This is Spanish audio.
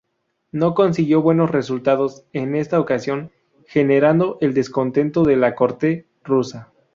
No consiguió buenos resultados en esta ocasión, generando el descontento de la corte rusa.